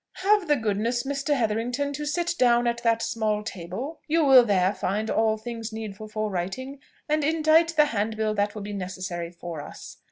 "Have the goodness, Mr. Hetherington, to sit down at that small table you will there find all things needful for writing, and indite the handbill that will be necessary for us.